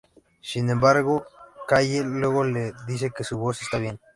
Sin embargo, Callie luego le dice que su voz está bien.